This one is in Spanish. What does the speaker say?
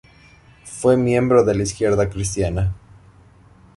Fue miembro de la Izquierda Cristiana.